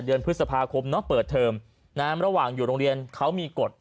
เดือนพฤษภาคมเปิดเทอมระหว่างอยู่โรงเรียนเขามีกฎ